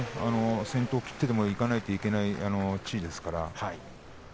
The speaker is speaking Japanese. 先頭切っていかなければいけない地位ですからね。